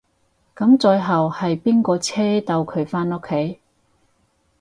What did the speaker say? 噉最後係邊個車到佢返屋企？